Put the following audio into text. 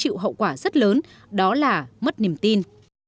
và một lý do khiến chịu hậu quả rất lớn đó là mất niềm tin